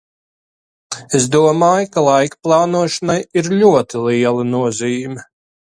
Es domāju, ka laika plānošanai ir ļoti liela nozīme.